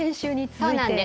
そうなんです。